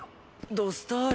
ドスタール？